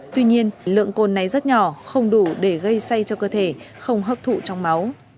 tuy nhiên lượng cồn này rất nhỏ không đủ để gây say cho cơ thể không hấp thụ trong máu